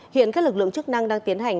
hiện các lực lượng chức năng đang tiến hành